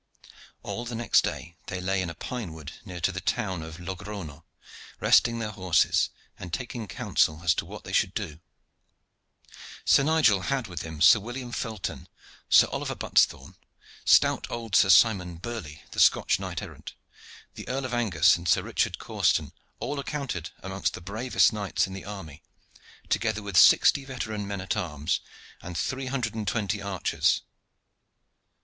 All the next day they lay in a pine wood near to the town of Logrono, resting their horses and taking counsel as to what they should do. Sir Nigel had with him Sir William Felton, Sir Oliver Buttesthorn, stout old Sir Simon Burley, the Scotch knight errant, the Earl of Angus, and Sir Richard Causton, all accounted among the bravest knights in the army, together with sixty veteran men at arms, and three hundred and twenty archers.